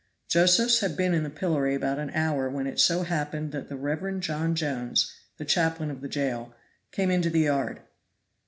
Josephs had been in the Pillory about an hour when it so happened that the Reverend John Jones, the chaplain of the jail, came into the yard.